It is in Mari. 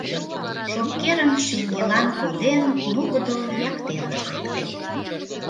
Шопкерым шеҥгелан коден, нугыдо яктерыш лекте.